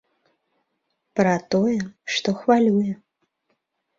Пра тое, што хвалюе.